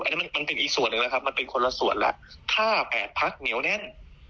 อันนี้มันเป็นอีกส่วนหนึ่งแล้วครับมันเป็นคนละส่วนแล้วถ้า๘พักเหนียวแน่น